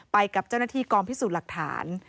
ไปกับเจ้าหน้าที่กองพิสูจน์หลักฐาน